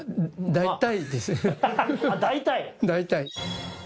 大体。